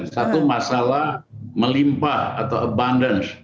satu masalah melimpah atau abundance